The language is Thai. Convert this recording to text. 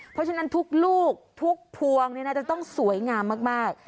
เพราะฉะนั้นทุกลูกทุกพวงจะต้องสวยงามมาก